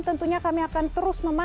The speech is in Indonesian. tentunya kami akan terus mengembangkan